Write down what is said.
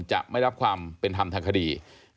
จะไม่รับความเป็นธรรมทางคดี